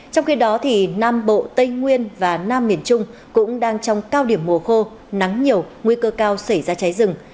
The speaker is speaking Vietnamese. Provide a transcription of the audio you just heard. trong khi đó nam bộ tây nguyên và nam miền trung cũng đang trong cao điểm mùa khô nắng nhiều nguy cơ cao xảy ra cháy rừng